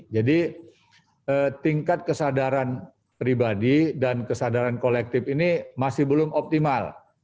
jadi tingkat kesadaran pribadi dan kesadaran kolektif ini masih belum optimal